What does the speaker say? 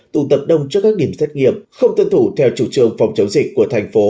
tụ tập đông trước các điểm xét nghiệm không tuân thủ theo chủ trường phòng chống dịch của thành phố